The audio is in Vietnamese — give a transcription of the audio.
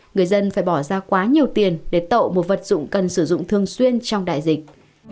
người dân phải bỏ ra quá nhiều tiền để tạo một vật dụng cần sử dụng thường xuyên trong đại dịch